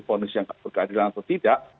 ponis yang kepergadilan atau tidak